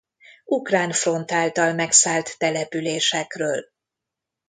Ukrán Front által megszállt településekről.